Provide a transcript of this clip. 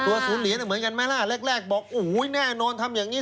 ศูนย์เหรียญเหมือนกันไหมล่ะแรกบอกโอ้โหแน่นอนทำอย่างนี้